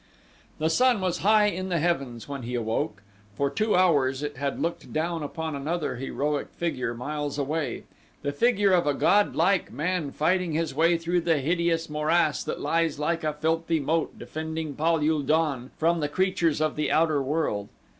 The sun was high in the heavens when he awoke; for two hours it had looked down upon another heroic figure miles away the figure of a godlike man fighting his way through the hideous morass that lies like a filthy moat defending Pal ul don from the creatures of the outer world.